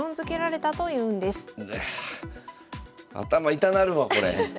ああ頭痛なるわこれ。